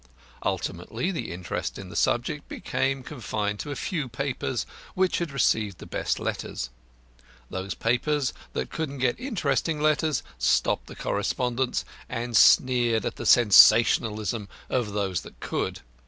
Ultimately the interest on the subject became confined to a few papers which had received the best letters. Those papers that couldn't get interesting letters stopped the correspondence and sneered at the "sensationalism" of those that could.